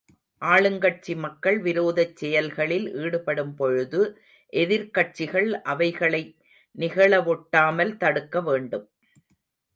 ஆளுங்கட்சி மக்கள் விரோதச் செயல்களில் ஈடுபடும்பொழுது எதிர்க்கட்சிகள் அவைகளை நிகழவொட்டாமல் தடுக்க வேண்டும்.